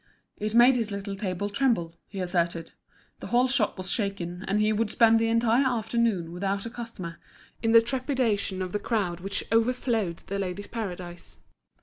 It made his little table tremble, he asserted. The whole shop was shaken, and he would spend the entire afternoon without a customer, in the trepidation of the crowd which overflowed The Ladies' Paradise.